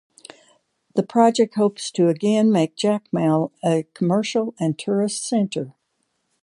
The project hopes to again make Jacmel a commercial and tourist center.